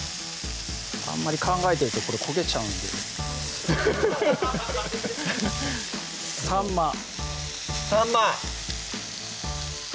あんまり考えてるとこれ焦げちゃうんでさんまさんま！